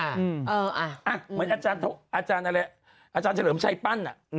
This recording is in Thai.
เหมือนอาจารย์เฉลิมชัยปั้น